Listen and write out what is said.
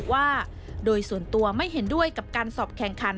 ว่าโดยส่วนตัวไม่เห็นด้วยกับการสอบแข่งขัน